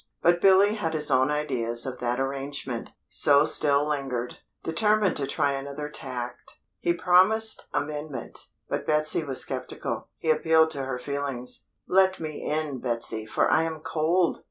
But Billy had his own ideas of that arrangement, so still lingered, determined to try another tack. He promised amendment, but Betsy was sceptical. He appealed to her feelings. "Let me in, Betsy, for I am cold!"